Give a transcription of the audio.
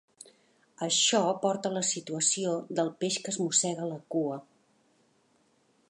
Això porta a la situació del peix que es mossega la cua.